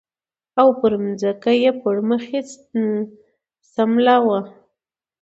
او پر ځمکه یې پړ مخې سملاوه